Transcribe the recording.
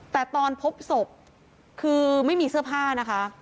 แต่ตอนพบศพคือไม่มีเสื้อผ้านะคะ